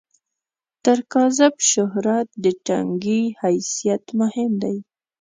تر کاذب شهرت، د ټنګي حیثیت مهم دی.